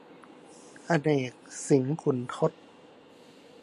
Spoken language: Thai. อเนก สิงขุนทด